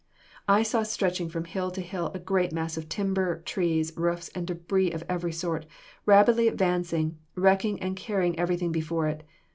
"I saw stretching from hill to hill, a great mass of timber, trees, roofs and debris of every sort, rapidly advancing, wrecking and carrying everything before it.